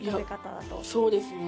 そうですね。